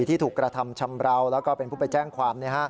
ที่ถูกกระทำชำราวแล้วก็เป็นผู้ไปแจ้งความ